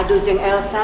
aduh jeng elsa